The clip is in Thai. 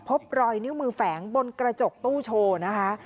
พบรอยนิ้วมือแฝงบนกระจกตู้โชว์นะคะ